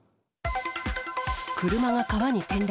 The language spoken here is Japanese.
車が川に転落。